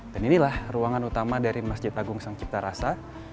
dan inilah ruangan utama dari masjid agung sang ciptarasa